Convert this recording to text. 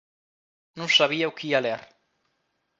Non sabía o que ía ler.